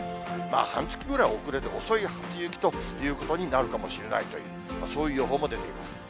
半月ぐらい遅れて、遅い初雪ということになるかもしれないという、そういう予報も出ています。